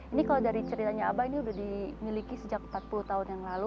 ini kalau dari ceritanya abah ini sudah dimiliki sejak empat puluh tahun yang lalu